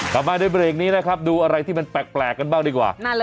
กลับมาในเบรกนี้นะครับดูอะไรที่มันแปลกกันบ้างดีกว่า